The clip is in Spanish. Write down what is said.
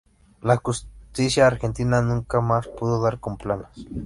La justicia argentina nunca más pudo dar con Planas.